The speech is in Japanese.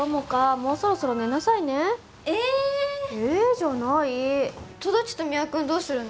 もうそろそろ寝なさいねええじゃないとどっちと三輪君どうするの？